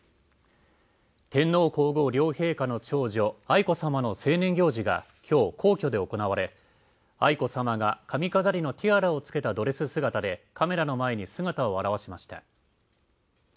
天皇皇后両陛下の長女愛子さまの成年行事が今日皇居で行われ、愛子さまが髪飾りのティアラをつけたドレス姿でカメラの前に姿を現しました。